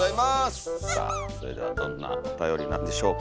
さあそれではどんなおたよりなんでしょうか。